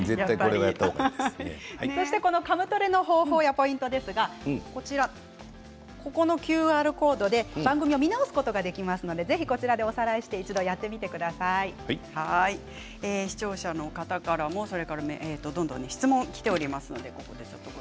カムトレの方法やポイントですがここのＱＲコードから番組を見直すことができますのでこちらでおさらいして視聴者の方からもどんどん質問がきています。